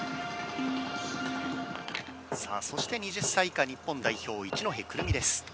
そして、２０歳以下日本代表一戸くる実です。